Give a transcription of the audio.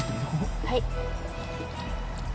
はい。